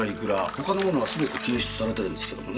他のものはすべて検出されてるんですけどね。